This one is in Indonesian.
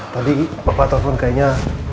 tadi pak patok pun kayaknya